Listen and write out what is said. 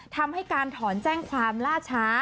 ทำให้การถอนแจ้งความล่าช้า